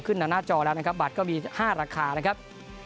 หน้าจอแล้วนะครับบัตรก็มี๕ราคานะครับ